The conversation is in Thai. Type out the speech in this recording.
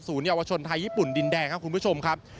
เยาวชนไทยญี่ปุ่นดินแดงครับคุณผู้ชมครับ